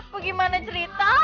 bagaimana ceritanya tuh